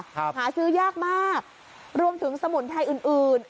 หาซื้อยากมากรวมถึงสมุนไพรอื่นอื่น